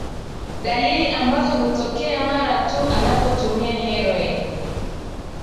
Dalili ambazo hutokea mara tu anapotumia Heroin